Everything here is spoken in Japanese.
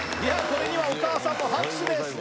これにはお母さんも拍手です